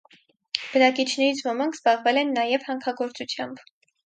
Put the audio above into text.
Բնակիչներից ոմանք զբաղվել են նաև հանքագործությամբ։